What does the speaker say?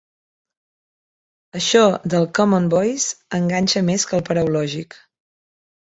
Això del Common Voice enganxa més que el Paraulògic.